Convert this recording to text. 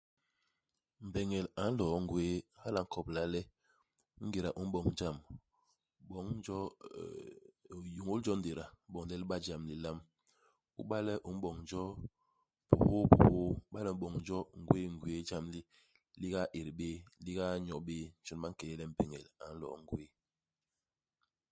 Mbeñel a nloo ngwéé, hala a nkobla le, ingéda u m'boñ jam, boñ jo euh yôñôl jo ngéda iboñ le li ba jam lilam. Iba le u m'boñ jo bihôôbihôô, iba le u m'boñ jo ngwééngwéé, i jam li li gaét bé liga nyo bé. Jon ba nkélél le mbeñel a nloo ngwéé.